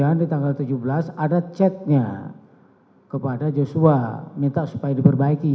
kemudian di tanggal tujuh belas ada chatnya kepada joshua minta supaya diperbaiki